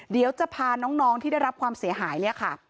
เดี๋ยวจะพาน้องที่ได้รับความเสียหายเนี่ยค่ะ